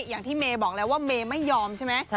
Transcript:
อย่างที่เมย์บอกแล้วว่าเมย์ไม่ยอมใช่ไหม